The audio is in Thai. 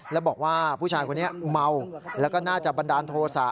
แล้วบอกว่าผู้ชายคนนี้เมาแล้วก็น่าจะบันดาลโทษะ